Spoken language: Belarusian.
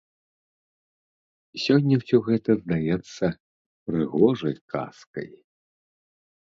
Сёння ўсё гэта здаецца прыгожай казкай.